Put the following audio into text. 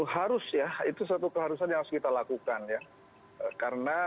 harus ya itu satu keharusan yang harus kita lakukan ya